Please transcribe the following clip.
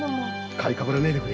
買いかぶらねえでくれ。